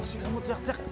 apa sih kamu teriak teriak